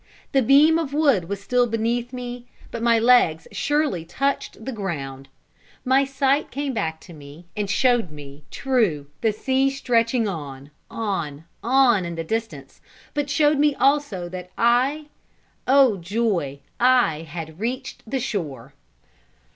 The beam of wood was still beneath me, but my legs surely touched the ground! My sight came back to me, and showed me, true, the sea stretching on, on, on, in the distance, but showed me also that I oh, joy! I had reached the shore!